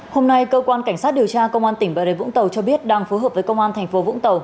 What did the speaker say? hôm nay cơ quan cảnh sát điều tra công an tỉnh bà rệ vũng tàu cho biết đang phối hợp với công an thành phố vũng tàu